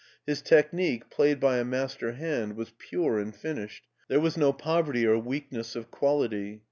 His technique, played by a master hand, was pure and finished; there was no pbverty or weakness of quality.